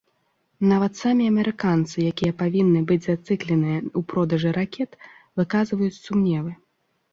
Нават самі амерыканцы, якія павінны быць зацікаўленыя ў продажы ракет, выказваюць сумневы.